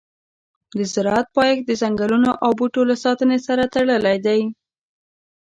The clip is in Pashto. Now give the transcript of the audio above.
د زراعت پایښت د ځنګلونو او بوټو له ساتنې سره تړلی دی.